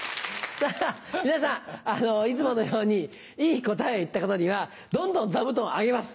さぁ皆さんいつものようにいい答えを言った方にはどんどん座布団をあげます。